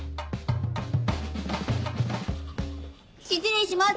失礼します！